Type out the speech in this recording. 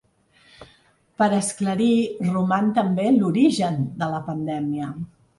Per esclarir roman també l’origen de la pandèmia.